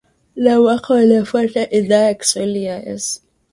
Na mwaka uliofuata Idhaa ya Kiswahili ya S